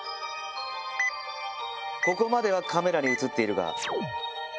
ここまではカメラに映っているが。